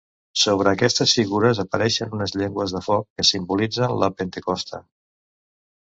Sobre aquestes figures apareixen unes llengües de foc, que simbolitzen la Pentecosta.